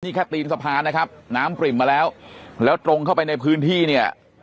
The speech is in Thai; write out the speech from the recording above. นี่แค่ตีนสะพานนะครับน้ำปริ่มมาแล้วแล้วตรงเข้าไปในพื้นที่เนี่ย